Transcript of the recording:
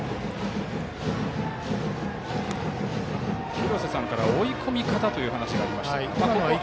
廣瀬さんからは追い込み方という話がありましたが。